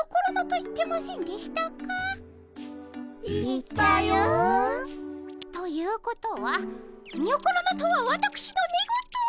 言ったよ。ということはにょころのとはわたくしの寝言！？